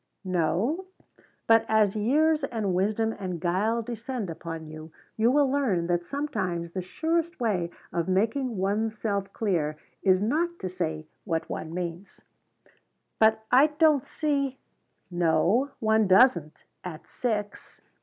"No; but as years and wisdom and guile descend upon you, you will learn that sometimes the surest way of making one's self clear is not to say what one means." "But I don't see " "No, one doesn't at six.